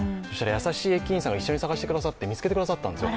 優しい駅員さんが一緒に探してくださって見つけてくださったんですよ。